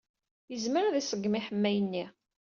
Yezmer ad iṣeggem aḥemmay-nni.